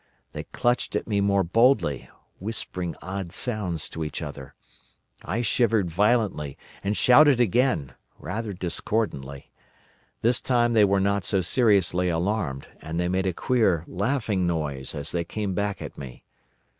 They clutched at me more boldly, whispering odd sounds to each other. I shivered violently, and shouted again—rather discordantly. This time they were not so seriously alarmed, and they made a queer laughing noise as they came back at me.